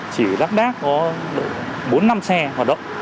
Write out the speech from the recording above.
chỉ đắc đác có bốn năm xe hoạt động